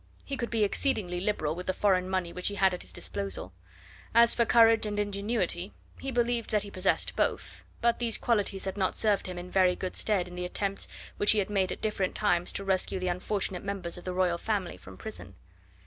He could be exceedingly liberal with the foreign money which he had at his disposal. As for courage and ingenuity, he believed that he possessed both, but these qualities had not served him in very good stead in the attempts which he had made at different times to rescue the unfortunate members of the Royal Family from prison.